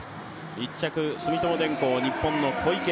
１着、住友電工、日本の小池。